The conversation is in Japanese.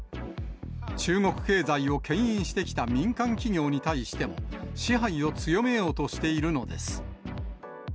中国経済をけん引してきた民間企業に対しても、支配を強めようとしているのです。